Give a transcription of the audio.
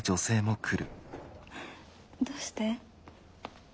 どうして？